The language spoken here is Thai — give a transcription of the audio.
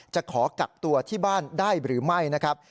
จะขอกักตัวที่บ้านได้หรือไม่นะครับ